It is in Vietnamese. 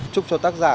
chúc cho tác giả